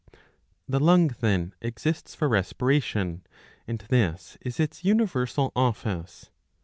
The lung then exists for respiration ; and this is its universal office.